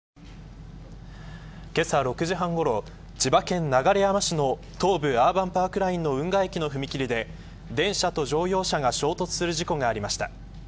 けさ６時半ごろ千葉県流山市の東武アーバンパークラインの運河駅の踏切で電車と乗用車が衝突する事故がありました。